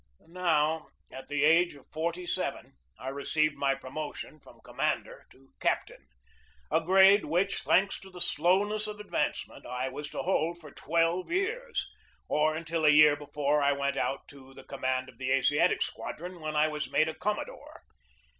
Now, at the age of forty seven, I received my promotion from commander to captain, a grade which, thanks to the slowness of advancement, I was to hold for twelve years, or until a year before I went out to the command of the Asiatic Squadron, when I was made a commodore.